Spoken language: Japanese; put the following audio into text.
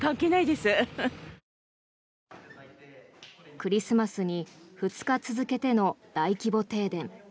クリスマスに２日続けての大規模停電。